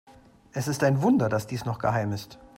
Es ist ein Wunder, dass dies noch geheim ist.